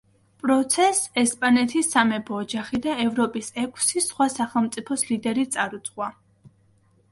პროცესს ესპანეთის სამეფო ოჯახი და ევროპის ექვსი სხვა სახელმწიფოს ლიდერი წარუძღვა.